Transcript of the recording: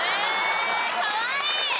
かわいい！